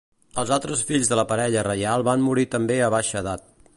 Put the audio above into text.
Els altres fills de la parella reial van morir també a baixa edat.